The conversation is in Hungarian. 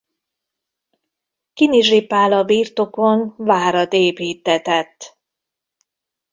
Kinizsi Pál a birtokon várat építtetett.